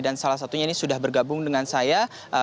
dan salah satunya ini sudah bergabung dengan saya